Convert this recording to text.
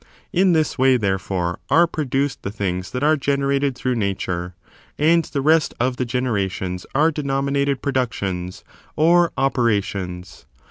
In this way, therefore, are produced the things that are generated through Nature: and the rest of the generations are denominated productions or operations.